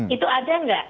itu ada nggak